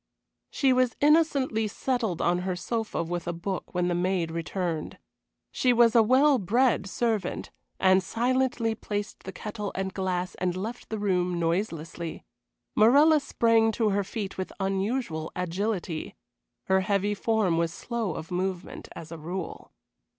She was innocently settled on her sofa with a book when the maid returned. She was a well bred servant, and silently placed the kettle and glass and left the room noiselessly. Morella sprang to her feet with unusual agility. Her heavy form was slow of movement as a rule.